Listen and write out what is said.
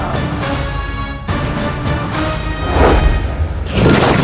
aku bertemu dan menghadapi kian santang